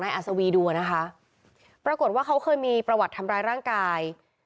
อัศวีดูอะนะคะปรากฏว่าเขาเคยมีประวัติทำร้ายร่างกาย